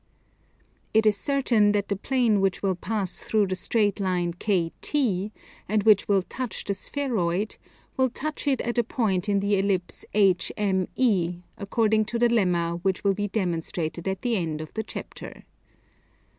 It is certain that the plane which will pass through the straight line KT, and which will touch the spheroid, will touch it at a point in the Ellipse HME, according to the Lemma which will be demonstrated at the end of the Chapter.